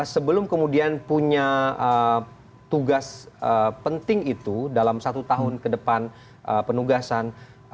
sebelum kemudian punya tugas penting itu dalam satu tahun ke depan penugasan